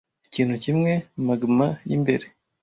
Ikintu kimwe, magma yimbere.